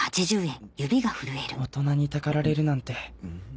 大人にたかられるなんて